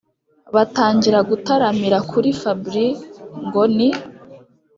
batangira gutaramira kuri fabric ngo ni